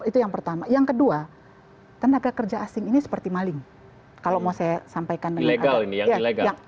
itu yang pertama yang kedua tenaga kerja asing ini seperti maling kalau mau saya sampaikan dengan adanya yang